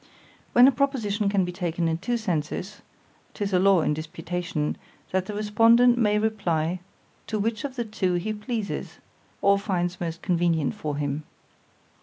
When a proposition can be taken in two senses—'tis a law in disputation, That the respondent may reply to which of the two he pleases, or finds most convenient for him.